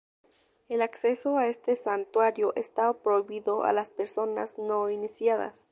El acceso a este santuario estaba prohibido a las personas no iniciadas.